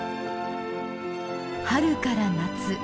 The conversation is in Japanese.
春から夏。